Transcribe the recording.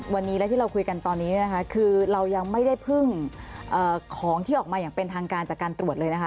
วันนี้และที่เราคุยกันตอนนี้นะคะคือเรายังไม่ได้พึ่งของที่ออกมาอย่างเป็นทางการจากการตรวจเลยนะคะ